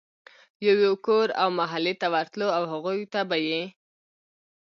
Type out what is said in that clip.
يو يو کور او محلې ته ورتلو او هغوی ته به ئي